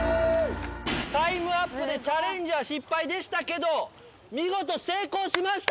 タイムアップでチャレンジは失敗でしたけど見事成功しました！